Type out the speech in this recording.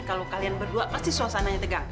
kalau kalian berdua pasti suasananya tegang